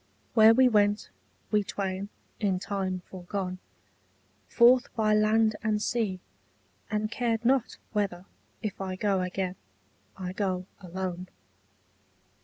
Where we went, we twain, in time foregone, Forth by land and sea, and cared not whether, If I go again, I go alone.